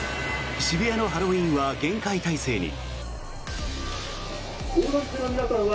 渋谷のハロウィーンは厳戒態勢に。